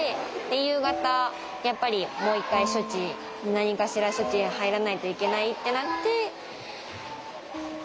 夕方やっぱりもう一回処置何かしら処置に入らないといけないってなって。